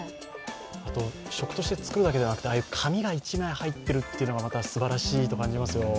あと、食として作るだけではなくてああいう紙が１枚入っているのがすばらしいと感じますよ。